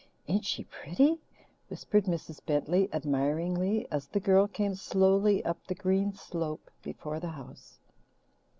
"Ain't she pretty?" whispered Mrs. Bentley admiringly, as the girl came slowly up the green slope before the house.